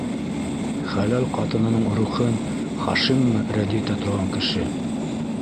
Хәләл ҡатынының рухын Хашиммы рәнйетә торған кеше?